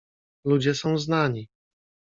"Ludzie są znani."